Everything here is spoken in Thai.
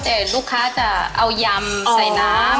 แต่ลูกค้าจะเอายำใส่น้ำ